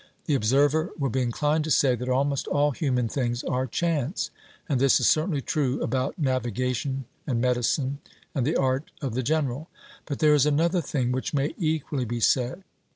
The observer will be inclined to say that almost all human things are chance; and this is certainly true about navigation and medicine, and the art of the general. But there is another thing which may equally be said.